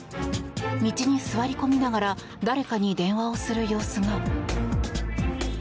道に座り込みながら誰かに電話をする様子が。